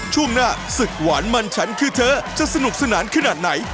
ช่วงหน้าศึกหวานมันฉันคือเธอจะสนุกสนานขนาดไหน